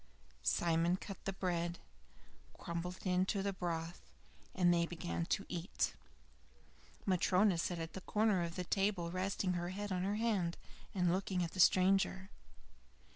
Simon cut the bread, crumbled it into the broth, and they began to eat. Matryona sat at the corner of the table resting her head on her hand and looking at the stranger.